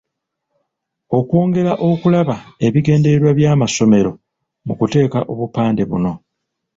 Okwongera okulaba ebigendererwa by’amasomero mu kuteeka obupande buno.